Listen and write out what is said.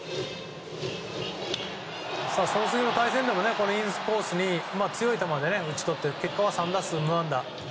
その次の対戦でもインコースに強い球で打ち取って結果３打数無安打。